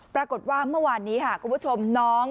ปรากฏว่าเมื่อวานนี้ค่ะคุณผู้ชมน้อง